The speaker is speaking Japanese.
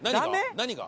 何が？